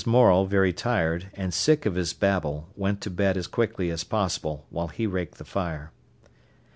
Morel, very tired, and sick of his babble, went to bed as quickly as possible, while he raked the fire.